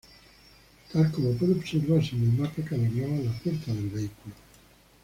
Tal como puede observarse en el mapa que adornaba la puerta del vehículo.